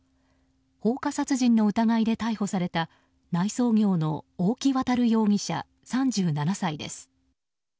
放火殺人の疑いで逮捕された内装業の大木渉容疑者、３７歳です。